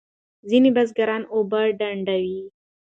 ځینې بزګران اوبه ډنډوي.